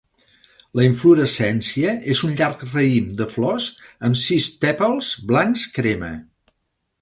La inflorescència és un llarg raïm de flors amb sis tèpals blancs crema.